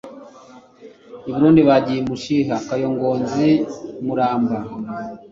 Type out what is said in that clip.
i burundi bagiye mushiha, kayongozi, muramba